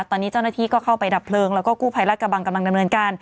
ตอนนี้เจ้าหน้าที่ก็เข้าไปดับเพลิงแล้วก็กู้ภัยรัฐกระบังกำลังดำเนินการ